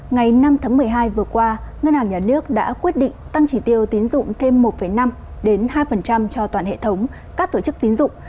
ngày năm tháng một mươi hai vừa qua ngân hàng nhà nước đã quyết định tăng chỉ tiêu tín dụng thêm một năm hai cho toàn hệ thống các tổ chức tín dụng